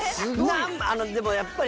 でもやっぱり。